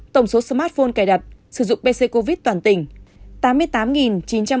tổng số smartphone cài đặt sử dụng pc covid toàn tỉnh tám mươi tám chín trăm bốn mươi một